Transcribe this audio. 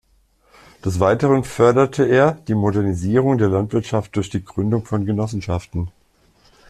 Des Weiteren förderte er die Modernisierung der Landwirtschaft durch die Gründung von Genossenschaften.